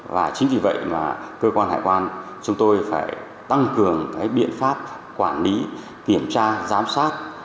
và chính vì vậy mà cơ quan hải quan chúng tôi phải tăng cường cái biện pháp quản lý kiểm tra giám sát